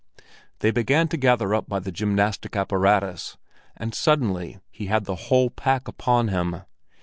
They began to gather up by the gymnastic apparatus, and suddenly he had the whole pack upon him.